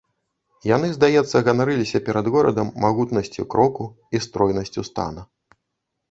Яны, здаецца, ганарыліся перад горадам магутнасцю кроку і стройнасцю стана.